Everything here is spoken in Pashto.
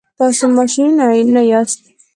تاسي ماشینونه نه یاست.